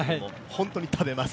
本当に食べます。